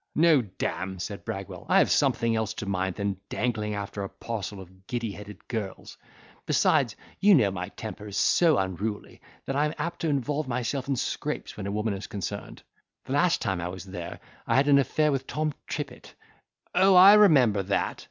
"No, d—mm," said Bragwell, "I have something else to mind than dangling after a parcel of giddy headed girls; besides, you know my temper is so unruly, that I am apt to involve myself in scrapes when a woman is concerned. The last time I was there, I had an affair with Tom Trippit." "Oh! I remember that!"